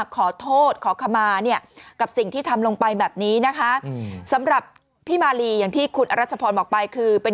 ขอโทษขอขมาเนี่ยกับสิ่งที่ทำลงไปแบบนี้นะคะสำหรับพี่มาลีอย่างที่คุณอรัชพรบอกไปคือเป็น